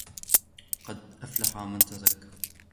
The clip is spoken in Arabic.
قَدْ أَفْلَحَ مَنْ تَزَكَّى